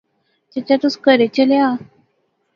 چچا تس کہھرے چلیا؟